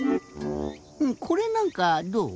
これなんかどう？